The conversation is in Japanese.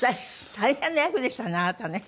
大変な役でしたねあなたね。